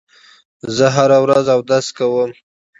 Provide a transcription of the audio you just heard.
زه هره ورځ اودس کوم.